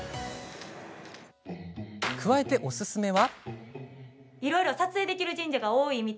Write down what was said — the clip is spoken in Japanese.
加えておすすめは。